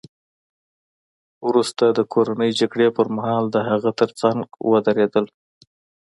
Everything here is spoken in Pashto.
وروسته د کورنۍ جګړې پرمهال د هغه ترڅنګ ودرېدل